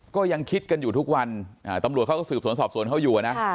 ก็ยังคิดกันอยู่ทุกวันตำรวจเขาก็สืบสวนสอบสวนเขาอยู่นะ